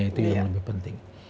itu yang lebih penting